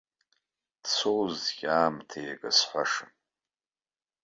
Тсоузҭгьы аамҭа, иага сҳәашан.